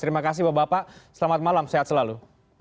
terima kasih bapak bapak selamat malam sehat selalu